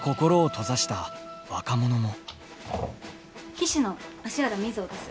騎手の芦原瑞穂です。